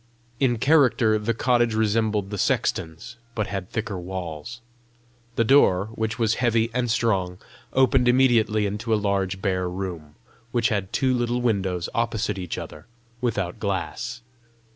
In character the cottage resembled the sexton's, but had thicker walls. The door, which was heavy and strong, opened immediately into a large bare room, which had two little windows opposite each other, without glass.